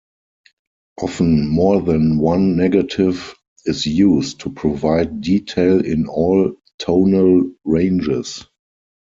Often more than one negative is used to provide detail in all tonal ranges.